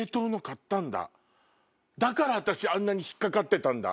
だから私あんなに引っ掛かってたんだ。